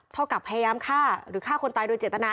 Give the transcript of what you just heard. เท่ากับพยายามฆ่าหรือฆ่าคนตายโดยเจตนา